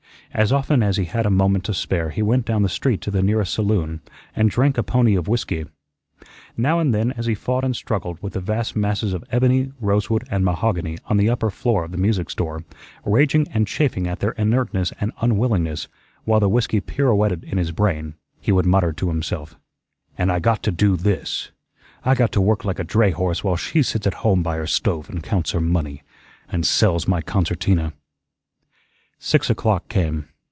As often as he had a moment to spare he went down the street to the nearest saloon and drank a pony of whiskey. Now and then as he fought and struggled with the vast masses of ebony, rosewood, and mahogany on the upper floor of the music store, raging and chafing at their inertness and unwillingness, while the whiskey pirouetted in his brain, he would mutter to himself: "An' I got to do this. I got to work like a dray horse while she sits at home by her stove and counts her money and sells my concertina." Six o'clock came.